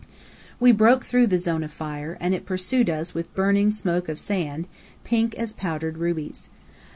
We broke through the zone of fire, and it pursued us with burning smoke of sand, pink as powdered rubies.